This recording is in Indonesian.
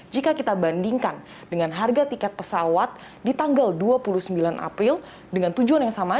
jika kita bandingkan dengan harga tiket pesawat di tanggal dua puluh sembilan april dengan tujuan yang sama